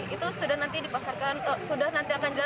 itu sudah nanti dipasarkan sudah nanti akan jalan dua ribu dua puluh satu